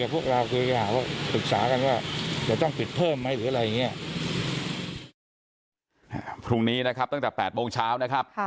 พรุ่งนี้นะครับตั้งแต่๘โมงเช้านะครับ